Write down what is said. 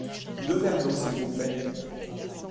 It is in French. Deux verres d’eau s’il vous plait.